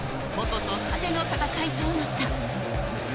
盾と矛の戦いとなった。